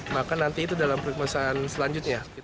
maka nanti itu dalam periksaan selanjutnya